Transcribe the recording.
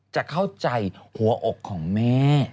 จะเข้าใจหัวอกของแม่